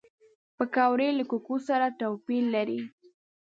پکورې له کوکو سره توپیر لري